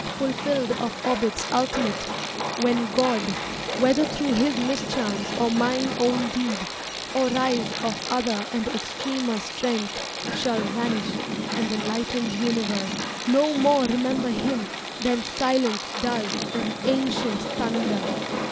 Fulfilled of orbits ultimate, when God, Whether through His mischance or mine own deed, ^^% Or rise of other and extremer Strength, '^^ Shall vanish and the lightened universe ..^^^ No more remember Him than silence does '5'^^ An ancient thunder.